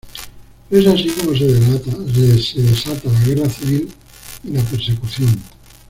Es así como se desata la guerra civil y la persecución.